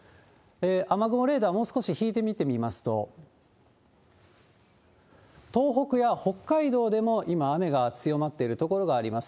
雨雲レーダー、もう少し引いて見てみますと、東北や北海道でも今、雨が強まっている所があります。